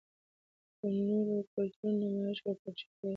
د نورو کلتورونو نمائش ورپکښې کـــــــــــــــــېږي